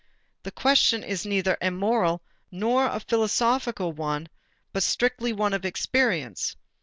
This question is neither a moral nor a philosophical one but strictly one of experience.